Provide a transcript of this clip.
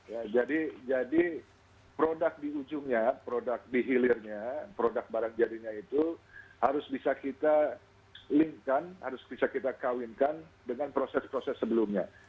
ya jadi produk di ujungnya produk di hilirnya produk barang jadinya itu harus bisa kita link kan harus bisa kita kawinkan dengan proses proses sebelumnya